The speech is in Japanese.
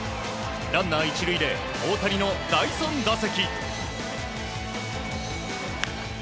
ランナー１塁で大谷の第３打席。